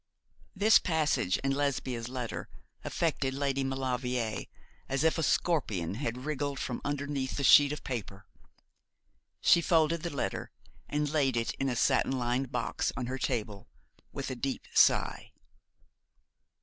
This passage in Lesbia's letter affected Lady Maulevrier as if a scorpion had wriggled from underneath the sheet of paper. She folded the letter, and laid it in the satin lined box on her table, with a deep sigh.